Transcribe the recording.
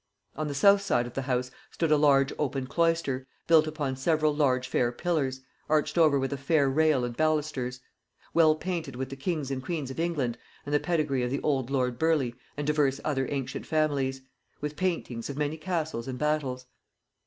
On the south side of the house stood a large open cloister, built upon several large fair pillars, arched over 'with a fair rail and ballustres; well painted with the kings and queens of England and the pedigree of the old lord Burleigh and divers other ancient families; with paintings of many castles and battles.'